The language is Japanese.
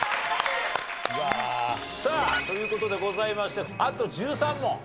さあという事でございましてあと１３問。